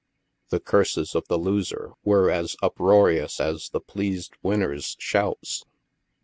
The curses of the losers were as uproarious as the pleased winners' shouts.